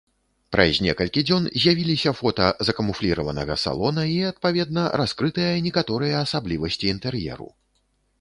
Праз некалькі дзён з'явіліся фота закамуфліраванага салона і, адпаведна, раскрытыя некаторыя асаблівасці інтэр'еру.